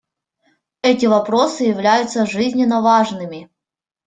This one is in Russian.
Эти вопросы являются жизненно важными.